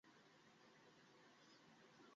জনগন ক্ষোভে ফেটে পড়ছে।